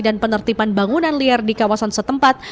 dan penertiban bangunan liar di kawasan setempat